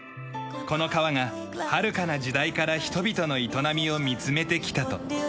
この川がはるかな時代から人々の営みを見つめてきたと。